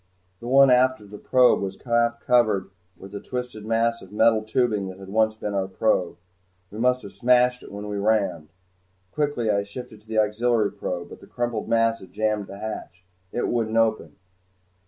The one aft of the probe was half covered with a twisted mass of metal tubing that had once been our probe. We must have smashed it when we rammed. Quickly I shifted to the auxiliary probe, but the crumpled mass had jammed the hatch. It wouldn't open.